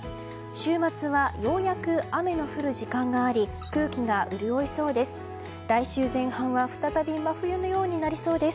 週末はようやく雨の降る時間があり空気が潤いそうです。